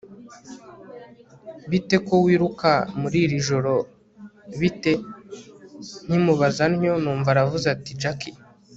bite ko wiruka muriri joro bite!? nkimubaza ntyo, numva aravuze ati jack